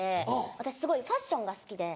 私すごいファッションが好きで。